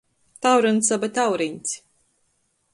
Tauryns aba tauriņs.